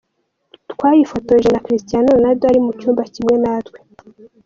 Twayifotoje na Cristiano Ronaldo ari mu cyumba kimwe natwe.